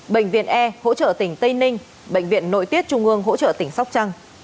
bệnh viện e hỗ trợ tỉnh tây ninh bệnh viện nội tiết trung ương hỗ trợ tỉnh sóc trăng